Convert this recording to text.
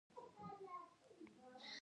زړه ټول بدن ته وینه پمپ کوي